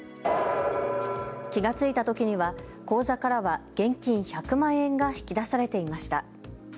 気が付いたときには口座からは現金１００万円が引き出されていました。